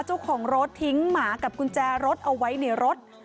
เจ้าของรถทิ้งหมากับกุญแจรถเอาไว้ในรถ